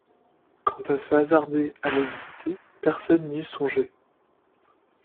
Quant à se hasarder à le visiter, personne n’y eût songé.